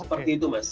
seperti itu mas